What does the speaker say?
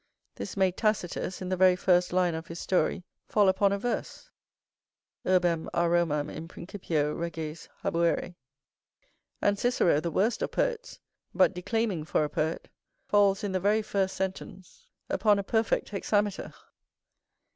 This made Tacitus, in the very first line of his story, fall upon a verse;[P] and Cicero, the worst of poets, but declaiming for a poet, falls in the very first sentence upon a perfect hexameter.